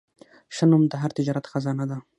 ښه نوم د هر تجارت خزانه ده.